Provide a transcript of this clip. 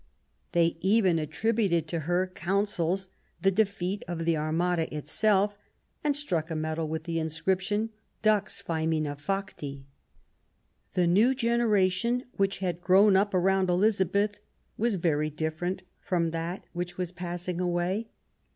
Thev even attributed to her counsels the defeat of the Armada itself, and struck a medal with the inscription '' Dux faemina facti'\ The new generation which had grown up around Elizabeth was very different from that which was passing away.